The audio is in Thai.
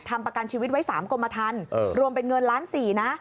ทำประกันชีวิตไว้๓กรมทันรวมเป็นเงินล้านสี่นะ